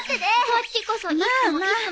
そっちこそいつもいつも。